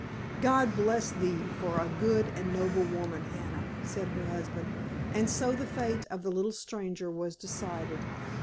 "God bless thee for a good and noble woman, Hannah," said her husband; and so the fate of the little stranger was decided.